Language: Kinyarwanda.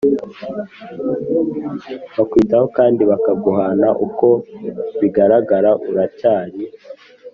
bakwitaho kandi bakaguhana Uko bigaragara uracyari